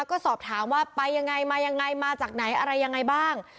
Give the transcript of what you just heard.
ก็สอบถามว่าไปยังไงมายังไงมาจากไหนอะไรยังไงบ้าง